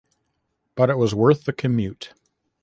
But it was worth the commute.